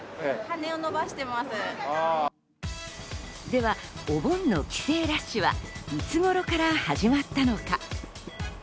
では、お盆の帰省ラッシュは、いつ頃から始まったのか？